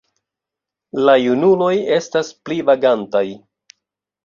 La junuloj estas pli vagantaj.